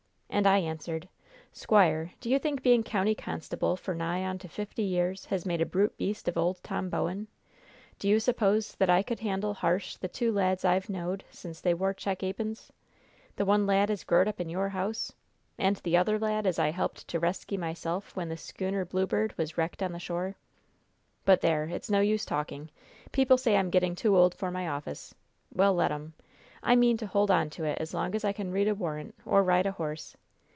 And I answered: 'Squire, do you think being county constable for nigh on to fifty years has made a brute beast of old Tom Bowen? Do you suppose that I could handle harsh the two lads I've knowed since they wore check ap'ons? The one lad as growed up in your house? And the other lad as I helped to resky myself when the schooner Blue Bird was wrecked on the shore?' But there! It's no use talking. People say I'm getting too old for my office. Well, let 'em. I mean to hold on to it as long as I can read a warrant or ride a horse.